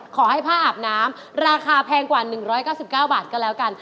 ขอให้ผ้าอาบน้ำราคาแพงกว่า๑๙๙บาทก็แล้วกัน